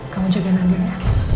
kamu jagain andinnya